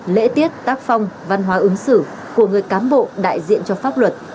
lễ tiết tác phong văn hóa ứng xử của người cám bộ đại diện cho pháp luật